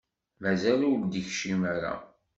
Mazal ur d-ikcim ara.